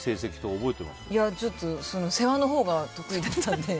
世話のほうが得意だったので。